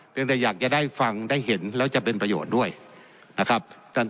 เป็นแต่อยากจะได้ฟังได้เห็นแล้วจะเป็นประโยชน์ด้วยนะครับท่าน